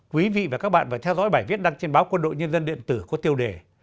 quý vị và các bạn phải theo dõi bài viết đăng trên báo quân đội nhân dân điện tử có tiêu đề